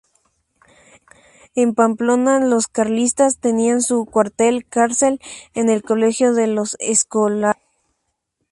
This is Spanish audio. En Pamplona los carlistas tenían su cuartel-cárcel en el colegio de los Escolapios.